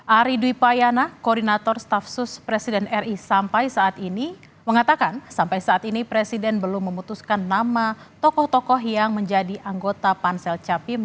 ari dwi payana koordinator staf sus presiden ri sampai saat ini mengatakan sampai saat ini presiden belum memutuskan nama tokoh tokoh yang menjadi anggota pansel capim